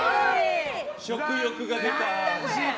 食欲が出た。